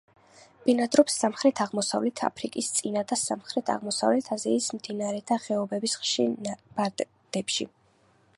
ბინადრობს სამხრეთ-აღმოსავლეთ აფრიკის წინა და სამხრეთ-აღმოსავლეთ აზიის მდინარეთა ხეობების ხშირ ბარდებში.